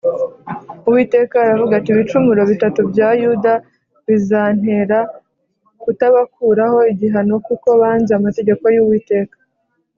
Uwiteka aravuga ati “Ibicumuro bitatu bya Yuda bizantera kutabakuraho igihano kuko banze amategeko y’Uwiteka